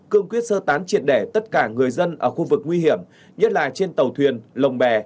cương quyết sơ tán triệt đẻ tất cả người dân ở khu vực nguy hiểm nhất là trên tàu thuyền lồng bè